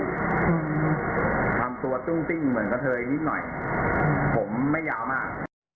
ทำตัวตรึ้งติ้งเหมือนกับเธอยังนิดหน่อยผมไม่ยาวมาก